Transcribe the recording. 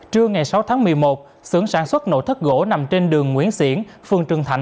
trưa ngày sáu tháng một mươi một sưởng sản xuất nổ thất gỗ nằm trên đường nguyễn xiển phường trường thạnh